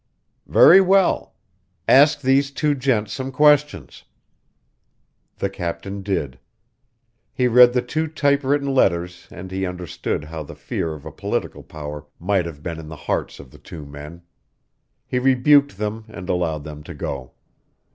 "Very well. Ask these two gents some questions." The captain did. He read the two typewritten letters and he understood how the fear of a political power might have been in the hearts of the two men. He rebuked them and allowed them to go.